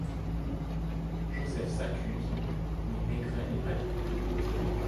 Joseph s'accuse, mais Maigret n'est pas dupe.